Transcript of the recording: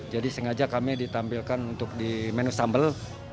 jadi sengaja kami ditampilkan untuk di menu sambal